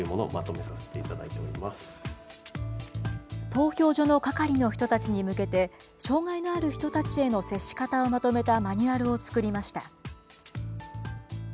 投票所の係りの人たちに向けて、障害のある人たちへの接し方をまとめたマニュアルを作りました。